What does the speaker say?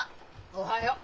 おはよう。